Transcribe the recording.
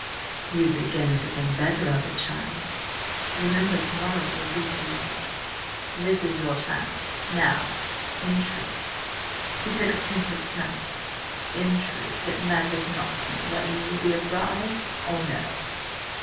"You begin to think better of it, child? Remember, to morrow will be too late. This is your chance, now. In truth," he took a pinch of snuff, "in truth, it matters not to me whether you will be a bride or no."